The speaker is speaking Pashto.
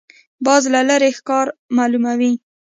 باز له لرې ښکار معلوموي